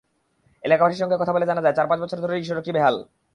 এলাকাবাসীর সঙ্গে কথা বলে জানা যায়, চার-পাঁচ বছর ধরেই সড়কটি বেহাল।